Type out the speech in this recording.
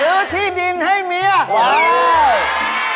ซื้อที่ดินให้เมีย